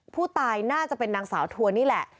ผู้ตายน่าจะเป็นนางสาวทัวร์นี่แหละ